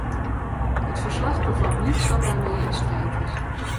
Het verslag bevat niets dat daarmee in strijd is.